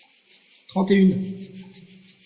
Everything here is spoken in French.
Trente et une.